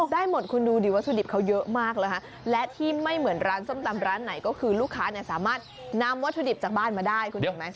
ได้หมดคุณดูดิวัตถุดิบเขาเยอะมากนะคะและที่ไม่เหมือนร้านส้มตำร้านไหนก็คือลูกค้าเนี่ยสามารถนำวัตถุดิบจากบ้านมาได้คุณเห็นไหม